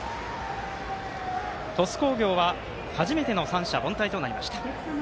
鳥栖工業は初めての三者凡退となりました。